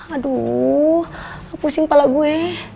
aduh pusing kepala gue